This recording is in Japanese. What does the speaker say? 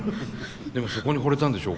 でもそこにほれたんでしょ？